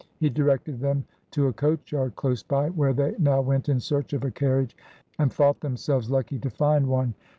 He directed them to a coach yard close by, vhere they now went in search of a carriage, and bought themselves lucky to find one.